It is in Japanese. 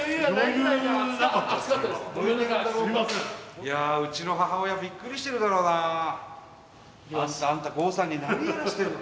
いやうちの母親びっくりしてるだろうなあ。あんた郷さんに何やらしてるの？